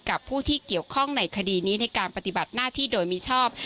กับผู้ที่เกี่ยวข้องในคดีนี้ในการปฏิบัติหน้าที่โดยมิชอบ